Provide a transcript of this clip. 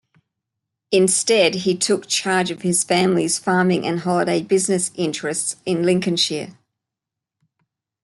Instead he took charge of his family's farming and holiday business interests in Lincolnshire.